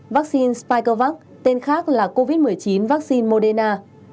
năm vaccine spikervac tên khác là covid một mươi chín vaccine moderna